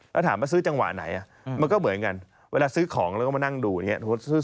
แล้วถามว่าซื้อจังหวะไหนมันก็เหมือนกันเวลาซื้อของแล้วก็มานั่งดูอย่างนี้